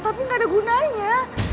tapi gak ada gunanya